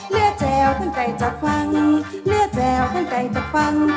เลือดแจวขั้นไก่จากฟังเลือดแจวขั้นไก่จากฟัง